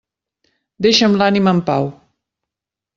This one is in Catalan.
Deixa'm l'ànima en pau.